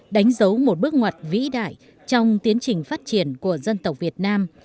đánh dấu một bước ngoặt vĩ đại trong tiến trình phát triển của dân tộc việt nam